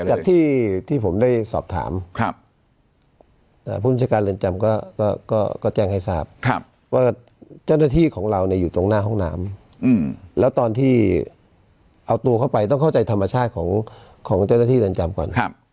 จากที่ผมได้สอบถามผู้บัญชาการเรือนจำก็แจ้งให้ทราบว่าเจ้าหน้าที่ของเราอยู่ตรงหน้าห้องน้ำแล้วตอนที่เอาตัวเข้าไปต้องเข้าใจธรรมชาติของเจ้าหน้าที่เรือนจำก่อน